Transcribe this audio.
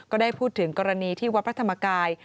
ก็ได้พูดถึงกรณีที่วัดพระธรรมกาย